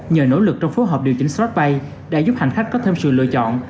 nhờ nỗ lực trong phối hợp điều chỉnh sát bay đã giúp hành khách có thêm sự lựa chọn